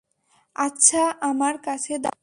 আচ্ছা, আমার কাছে দাও।